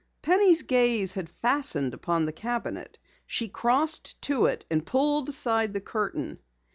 Penny's gaze had fastened upon the cabinet. She crossed to it and pulled aside the curtain.